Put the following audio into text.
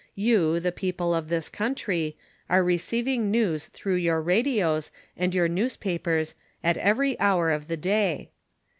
You, the people of this country, are receiving news through your radios and your newspapers at every hour of the day.